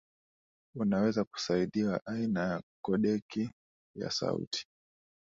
unaweza kusaidiwa aina ya kodeki ya sauti